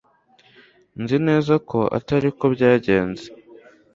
Nzi neza ko atari ko byagenze